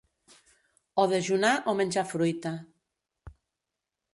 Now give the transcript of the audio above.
O dejunar o menjar fruita.